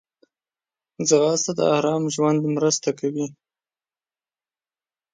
ځغاسته د آرام ژوند مرسته کوي